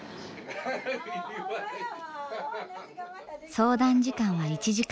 相談時間は１時間。